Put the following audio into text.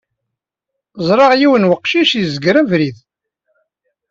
Ẓriɣ yiwen weqcic yezger abrid.